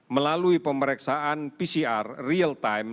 melalui pemeriksaan pcr real time